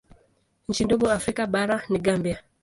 Nchi ndogo Afrika bara ni Gambia.